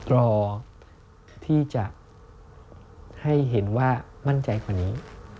รอที่จะให้เห็นว่ามั่นใจกว่านี้